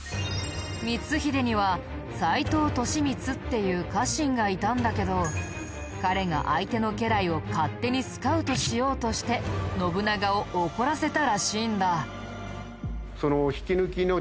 光秀には斎藤利三っていう家臣がいたんだけど彼が相手の家来を勝手にスカウトしようとして信長を怒らせたらしいんだ。